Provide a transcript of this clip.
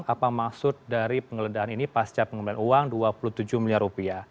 apa maksud dari penggeledahan ini pasca pengembalian uang rp dua puluh tujuh miliar rupiah